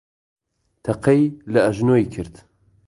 تەقەی لە ئەژنۆی کرد.